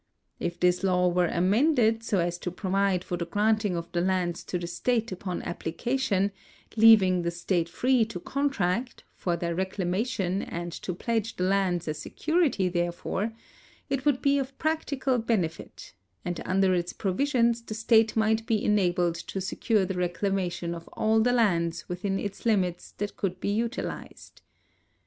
If this law were amended so as to provide for the granting of the lands to the state upon applica tion, leaving the state free to contract for their reclamation and to pledge the lands as security therefor, it would be of practical benefit, and under its provisions the state might be enabled to secure the reclamation of all the lands within its limits that could be utilized.